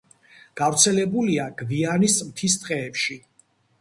გავრცელებულია გვიანის მთის ტყეებში.